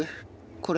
これ。